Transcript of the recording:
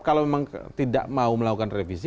kalau memang tidak mau melakukan revisi